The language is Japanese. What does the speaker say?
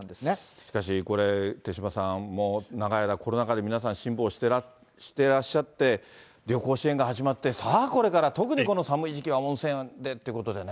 しかしこれ、手嶋さん、もう長い間、コロナ禍で皆さん、辛抱してらっしゃって、旅行支援が始まって、さあ、これから、特にこの寒い時期は温泉でってことでね。